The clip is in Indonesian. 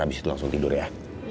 habis itu langsung tidur ya